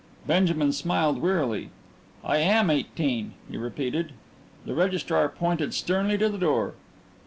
Benjamin smiled wearily. "I am eighteen," he repeated. The registrar pointed sternly to the door.